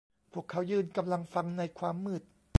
พวกเขายืนกำลังฟังในความมืด